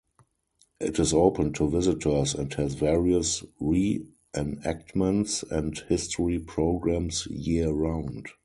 It is open to visitors and has various re-enactments and history programs year round.